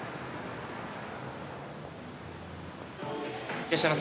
いらっしゃいませ。